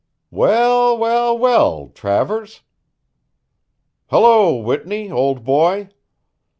"Well, well, well, Travers!" "Hello, Whitney, old boy!"